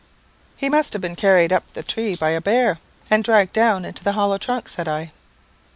"He must have been carried up the tree by a bear, and dragged down into the hollow trunk," said I.